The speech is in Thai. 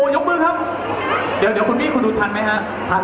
ยกมือครับเดี๋ยวคุณมี่คุณดูทันไหมครับ